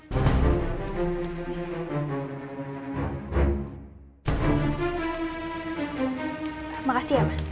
terima kasih ya mas